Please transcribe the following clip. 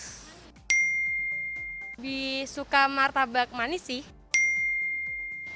lebih suka martabak manis sih